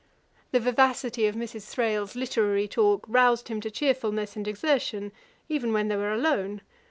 The vivacity of Mrs. Thrale's literary talk roused him to cheerfulness and exertion, even when they were alone.